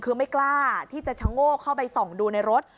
คือไม่กล้าที่จะชะโงกเข้าไปส่องดูในรถ